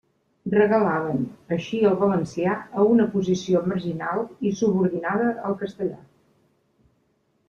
Relegaven, així el valencià a una posició marginal i subordinada al castellà.